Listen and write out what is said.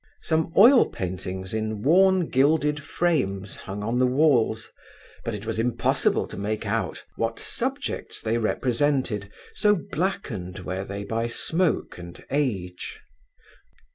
Some oil paintings in worn gilded frames hung on the walls, but it was impossible to make out what subjects they represented, so blackened were they by smoke and age.